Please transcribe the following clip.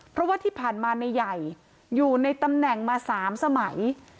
เพราะว่าที่ผ่านมานายใหญ่อยู่ในตำแหน่งมา๓สมัย